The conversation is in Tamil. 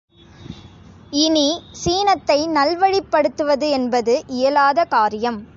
இனி சீனத்தை நல்வழிபடுத்துவதென்பது இயலாத காரியம்.